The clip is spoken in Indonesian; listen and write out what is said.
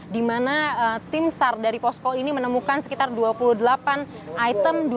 di mana tim sar dari posko ini menemukan sekitar dua puluh delapan item